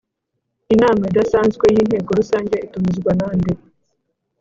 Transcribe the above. Inama idasanzwe y Inteko Rusange itumizwa nande